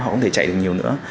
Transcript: họ không thể chạy được nhiều nữa